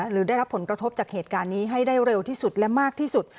หรือได้รับผลกระทบจากเหตุการณ์นี้ให้ได้เร็วที่สุดและมากที่สุด